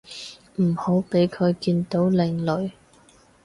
唔好畀佢見到靚女